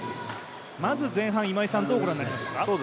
まず前半、今井さん、どうご覧になりましたか？